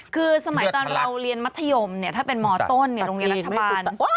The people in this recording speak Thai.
คือสมัยตอนเราเรียนมัธยมถ้าเป็นมต้นโรงเรียนรัฐบาล